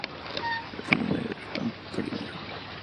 Mejoró el Seminario de Santo Toribio.